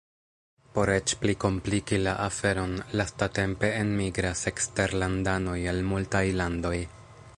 Por eĉ pli kompliki la aferon, lastatempe enmigras eksterlandanoj el multaj landoj.